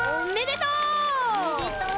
おめでとう！